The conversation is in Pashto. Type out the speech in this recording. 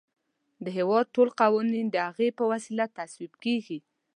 د هیواد ټول قوانین د هغې په وسیله تصویب کیږي.